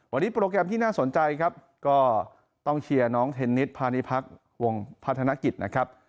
วันนี้โปรแกรมที่น่าสนใจครับก็ต้องเชียร์น้องเทนนิสพาณิพักษ์วงพัฒนกิจนะครับ